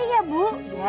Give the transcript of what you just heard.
ya ya sudahlah